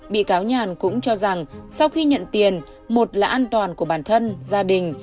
bị cáo nhàn cũng cho rằng sau khi nhận tiền một là an toàn của bản thân gia đình